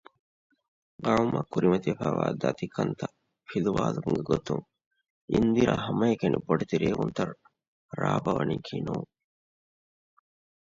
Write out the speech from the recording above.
ޤައުމަށް ކުރިމަތިވެފައިވާ ދަތިކަންތައް ފިލުއްވުމުގެ ގޮތުން އިންދިރާ ހަމައެކަނި ބޮޑެތި ރޭއްވެވުންތައް ރާއްވަވަނީއަކީ ނޫން